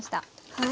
はい。